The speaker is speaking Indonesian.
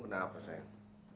kamu kena apa sayang